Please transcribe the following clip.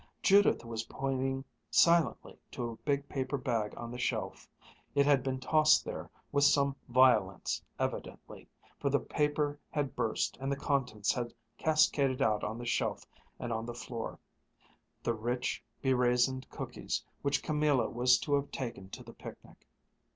Judith was pointing silently to a big paper bag on the shelf. It had been tossed there with some violence evidently, for the paper had burst and the contents had cascaded out on the shelf and on the floor the rich, be raisined cookies which Camilla was to have taken to the picnic.